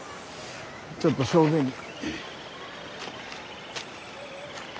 ちょっと小便に。